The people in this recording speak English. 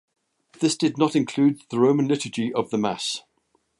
This did not include the Roman Liturgy of the Mass.